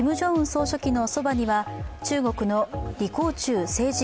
総書記のそばには中国の李鴻忠政治